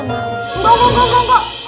enggak enggak enggak